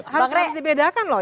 harus dibedakan loh